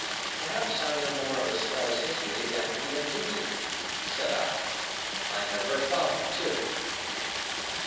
"Perhaps I know more of Estella's history than even you do," said I. "I know her father too."